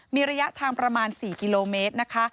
มีระยะทางประมาณ๔กิโลเมตรนะคะ